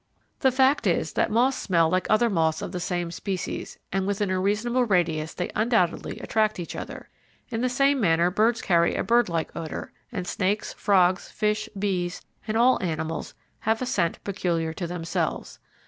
The fact is, that moths smell like other moths of the same species, and within a reasonable radius they undoubtedly attract each other. In the same manner birds carry a birdlike odour, and snakes, frogs, fish, bees, and all animals have a scent peculiar to themselves.